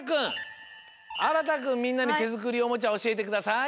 あらたくんみんなにてづくりおもちゃおしえてください。